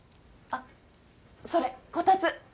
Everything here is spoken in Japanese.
あっそれこたつ。